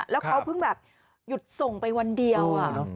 แล้วเขาเพิ่งแบบหยุดส่งไปวันเดียว